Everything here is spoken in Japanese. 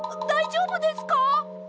だいじょうぶか？